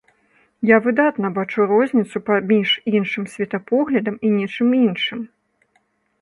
Я выдатна бачу розніцу паміж іншым светапоглядам і нечым іншым.